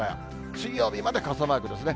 水曜日まで傘マークですね。